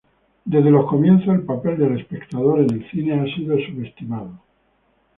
Desde los comienzos, el papel del espectador en el cine ha sido subestimado.